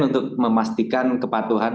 untuk memastikan kepatuhan